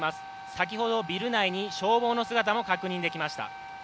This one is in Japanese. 先ほど、ビル内に消防の姿も確認されました。